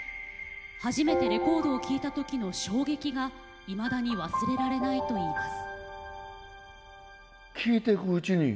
初めてレコードを聴いた時の衝撃がいまだに忘れられないといいます。